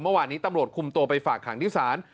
เมื่อวานนี้ตำรวจคุมตัวไปฝากขังที่ศาล